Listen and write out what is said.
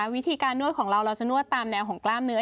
วิธีการนวดของเราเราจะนวดตามแนวของกล้ามเนื้อ